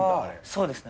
そうですね。